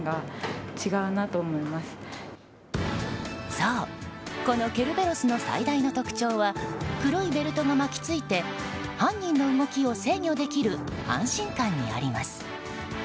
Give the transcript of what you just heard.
そう、このケルベロスの最大の特徴は黒いベルトが巻き付いて犯人の動きを制御できる安心感にあります。